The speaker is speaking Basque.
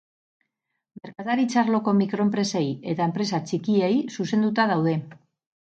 Merkataritza-arloko mikroenpresei eta enpresa txikiei zuzenduta daude.